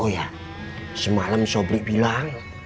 oh ya semalam sobrik bilang